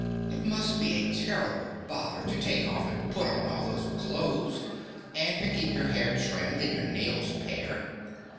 "It must be a terrible bother to take off and put on all those clothes and to keep your hair trimmed and your nails pared."